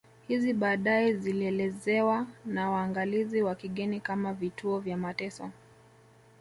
Hizi baadae zilielezewa na waangalizi wa kigeni kama vituo vya mateso